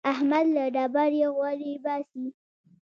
احمد له ډبرې غوړي باسي.